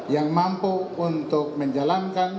yang mampu untuk menjalankan